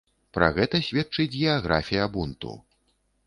Пра гэта сведчыць геаграфія бунту.